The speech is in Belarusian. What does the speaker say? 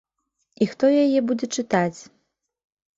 І хто яе будзе чытаць?